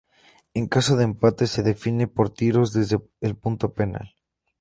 En caso de empate, se define por tiros desde el punto penal.